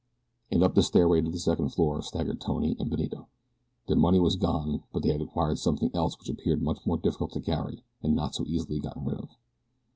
And up the stairway to the second floor staggered Tony and Benito. Their money was gone; but they had acquired something else which appeared much more difficult to carry and not so easily gotten rid of.